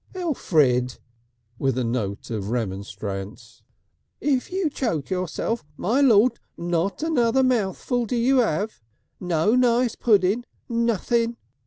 "Elfrid!" with a note of remonstrance. "If you choke yourself, my lord, not another mouthful do you 'ave. No nice puddin'! Nothing!"